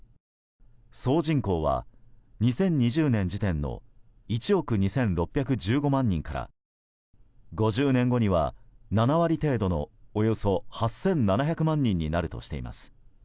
総人口は２０２０年時点の１億２６１５万人から５０年後には７割程度のおよそ８７００万人になるとしています。